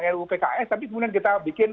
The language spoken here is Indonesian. ruu pks tapi kemudian kita bikin